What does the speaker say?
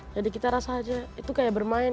jadi kita rasa aja itu kayak bermain